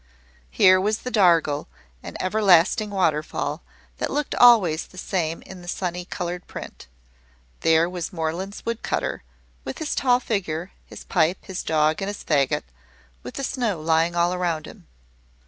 Here was the Dargle, an everlasting waterfall, that looked always the same in the sunny coloured print. There was Morland's Woodcutter, with his tall figure, his pipe, his dog, and his faggot, with the snow lying all around him.